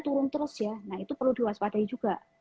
turun terus ya nah itu perlu diwaspadai juga